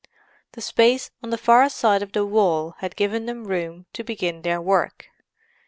The space on the far side of the wall had given them room to begin their work.